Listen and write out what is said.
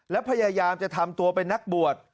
และพยายามจะทำตัวเป็นนักบวช